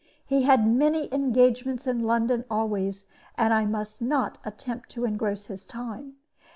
He had many engagements in London always, and I must not attempt to engross his time.